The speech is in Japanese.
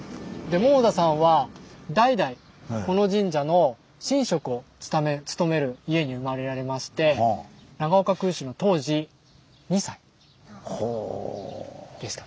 桃田さんは代々この神社の神職を務める家に生まれられまして長岡空襲の当時２歳でした。